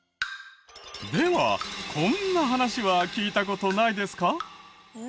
ではこんな話は聞いた事ないですか？